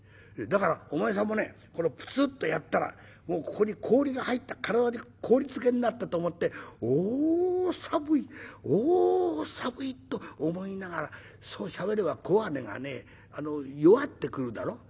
だからお前さんもねプツッとやったらここに氷が入った体に氷漬けになったと思って『おさぶい。おさぶい』と思いながらそうしゃべれば声音がね弱ってくるだろ。